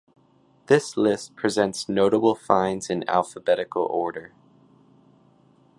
This list presents notable finds in alphabetical order.